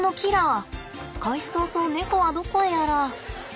開始早々ネコはどこへやら。